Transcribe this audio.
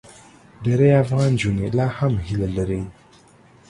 ډېری افغان نجونې لا هم هیله لري.